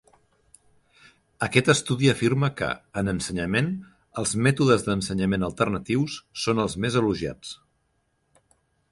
Aquest estudi afirma que, en ensenyament, els mètodes d'ensenyament alternatius són els més elogiats.